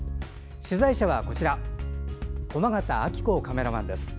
取材者は、こちら駒形明子カメラマンです。